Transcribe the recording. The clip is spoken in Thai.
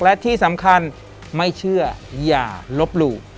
และที่สำคัญไม่เชื่ออย่าลบหลู่